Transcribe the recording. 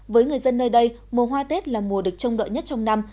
với người dân nơi đây mùa hoa tết là mùa được trông đợi nhất trong năm